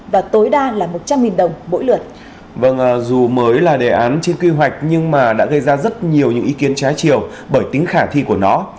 vâng dù mới là đề án trên kỳ hoạch nhưng mà đã gây ra rất nhiều những ý kiến trái chiều bởi tính khả thi của nó